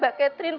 kalau dysatin gua